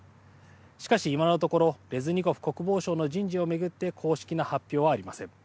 しかし、今のところレズニコフ国防相の人事を巡って公式な発表はありません。